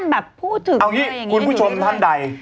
เอานี่คุณผู้ชมท่านใด